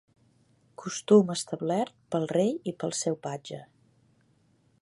Costum establert pel rei i pel seu patge.